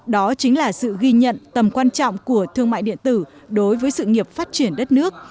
đó chính là sự ghi nhận tầm quan trọng của thương mại điện tử đối với sự nghiệp phát triển đất nước